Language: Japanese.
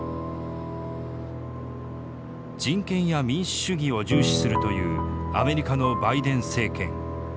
人権や民主主義を重視するというアメリカのバイデン政権。